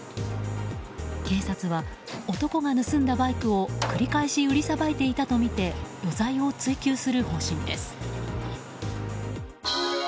警察は、男が盗んだバイクを繰り返し売りさばいていたとみて余罪を追及する方針です。